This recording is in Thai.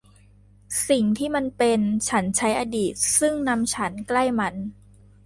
สิ่งที่มันเป็น ฉันใช้อดีตซึ่งนำฉันใกล้มัน